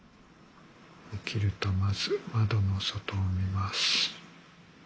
起きるとまず窓の外を見ます。